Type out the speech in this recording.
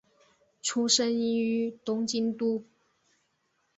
出身于东京都。